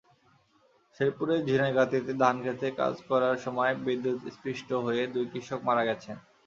শেরপুরের ঝিনাইগাতীতে ধানখেতে কাজ করার সময় বিদ্যুৎস্পৃষ্ট হয়ে দুই কৃষক মারা গেছেন।